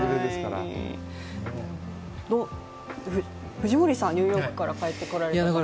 藤森さんはニューヨークから帰ってこられましたが。